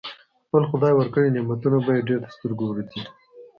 خپل خدای ورکړي نعمتونه به يې ډېر تر سترګو ورځي.